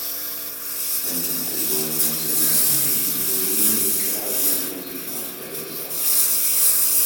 Ad mḥezwaren azal n snat tmerwin d kraḍ, n yilmeẓyen ɣef warraz-a.